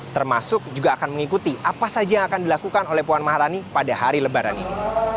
termasuk juga akan mengikuti apa saja yang akan dilakukan oleh puan maharani pada hari lebaran ini